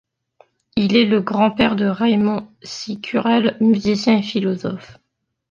Il est le grand-père de Raymond Cicurel, musicien et philosophe.